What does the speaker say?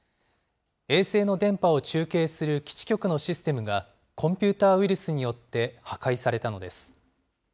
衛星の電波を中継する基地局のシステムが、コンピューターウイルスによって破壊されたのです。